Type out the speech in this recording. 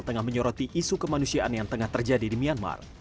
tengah menyoroti isu kemanusiaan yang tengah terjadi di myanmar